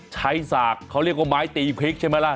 ฉากเขาเรียกว่าไม้ตีพริกใช่ไหมล่ะ